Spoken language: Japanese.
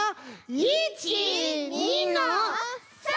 １２の３！